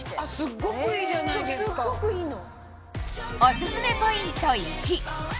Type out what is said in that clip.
そうすっごくいいの。